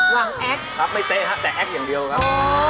งแอคครับไม่เต๊ะครับแต่แอ๊กอย่างเดียวครับ